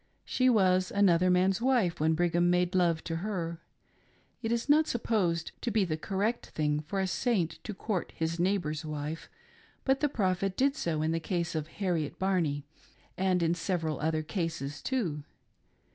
She was another man's wife when Brig ham made love to her. It is not supposed to be the correct thing for a Saint to court his neighbor's wife, but the Pro phet did so in the case of Harriet Barney, and in several other cases too.